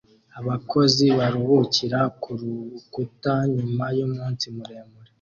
Abakozi baruhukira kurukuta nyuma yumunsi muremure